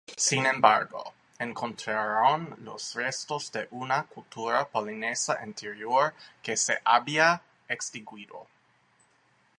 Sin embargo, encontraron los restos de una cultura polinesia anterior que se había extinguido.